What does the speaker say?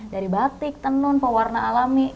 dari batik tenun pewarna alami